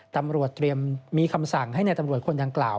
ตำรวจเตรียมมีคำสั่งให้ในตำรวจคนดังกล่าว